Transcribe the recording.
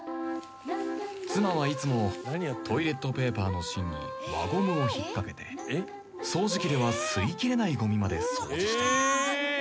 妻はいつもトイレットペーパーの芯に輪ゴムを引っ掛けて掃除機では吸い切れないごみまで掃除している